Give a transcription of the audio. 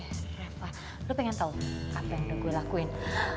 reva lo pengen tau apa yang udah gue lakuin